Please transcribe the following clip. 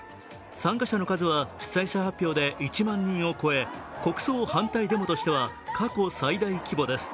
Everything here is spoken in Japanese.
参加者の数は主催者発表で１万人を超え国葬反対デモとしては過去最大規模です。